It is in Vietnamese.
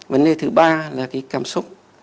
vấn đề thứ ba là cái cảm xúc